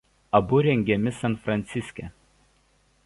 Abu rengiami San Fransiske.